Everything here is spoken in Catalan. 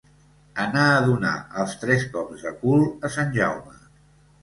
Anar a donar els tres cops de cul a sant Jaume.